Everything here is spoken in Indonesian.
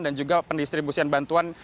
dan juga pendistribusian bantuan